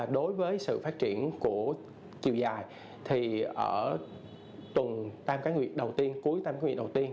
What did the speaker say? đối với sự phát triển của chiều dài thì ở tuần tam cá nguyệt đầu tiên cuối tam cá nguyệt đầu tiên